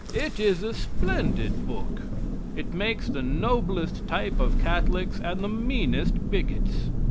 "It is a splendid book. It makes the noblest type of Catholics and the meanest bigots.